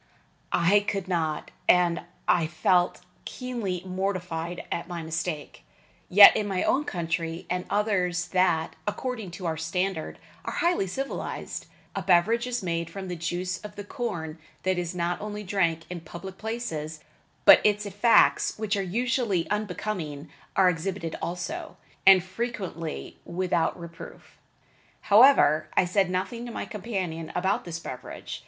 I could not; and I felt keenly mortified at my mistake. Yet in my own country and others that, according to our standard, are highly civilized, a beverage is made from the juice of the corn that is not only drank in public places, but its effects, which are always unbecoming, are exhibited also, and frequently without reproof. However, I said nothing to my companion about this beverage.